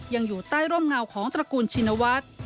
อยู่ใต้ร่มเงาของตระกูลชินวัฒน์